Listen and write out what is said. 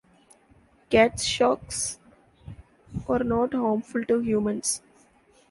Catsharks are not harmful to humans.